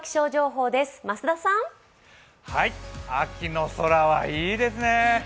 秋の空はいいですね。